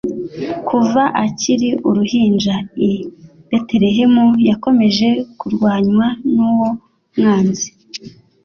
Kuva akiri uruhinja i Betelehemu, yakomeje kurwanywa n'uwo mwanzi